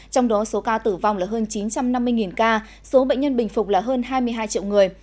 trong đó số ca tử vong là hơn chín trăm năm mươi ca số bệnh nhân bình phục là hơn hai mươi hai triệu người